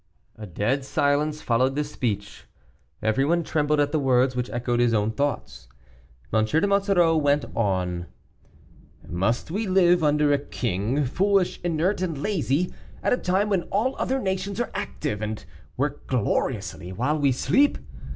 A dead silence followed this speech. Everyone trembled at the words which echoed his own thoughts. M. de Monsoreau went on. "Must we live under a king, foolish, inert, and lazy, at a time when all other nations are active, and work gloriously, while we sleep?